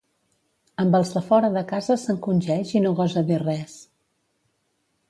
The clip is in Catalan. Amb els de fora de casa s'encongeix i no gosa dir res.